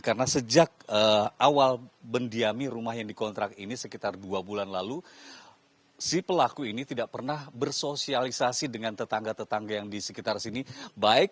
karena sejak awal bendiami rumah yang dikontrak ini sekitar dua bulan lalu si pelaku ini tidak pernah bersosialisasi dengan tetangga tetangga yang di sekitar sini